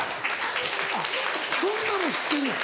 そんなのも知ってんの？